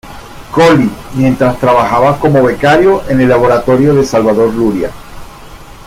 Coli., mientras trabajaba como becario en el laboratorio de Salvador Luria.